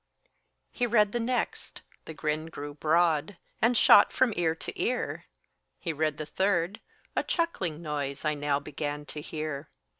He read the next; the grin grew broad, And shot from ear to ear; He read the third; a chuckling noise I now began to hear.